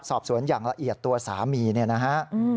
สอบสวนของตัวสามีเนี่ยนะ